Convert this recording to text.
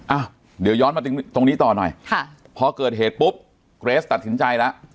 อ่ะเดี๋ยวย้อนมาตรงนี้ต่อหน่อยค่ะพอเกิดเหตุปุ๊บเกรสตัดสินใจแล้ว